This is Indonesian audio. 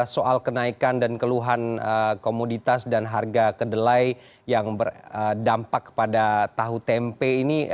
soal kenaikan dan keluhan komoditas dan harga kedelai yang berdampak kepada tahu tempe ini